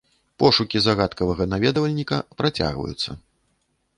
Пошукі загадкавага наведвальніка працягваюцца.